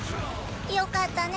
よかったね